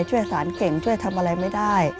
ช่วยสารเก่งช่วยทำอะไรไม่ได้